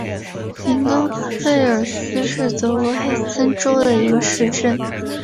林登费尔斯是德国黑森州的一个市镇。